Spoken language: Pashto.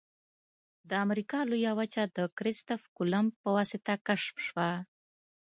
د امریکا لویه وچه د کرستف کولمب په واسطه کشف شوه.